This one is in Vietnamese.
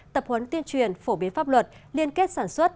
tập huấn tuyên truyền phổ biến pháp luật liên kết sản xuất